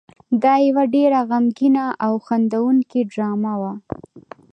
دا یو ډېره غمګینه او خندوونکې ډرامه وه.